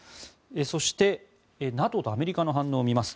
そしてＮＡＴＯとアメリカの反応を見ます。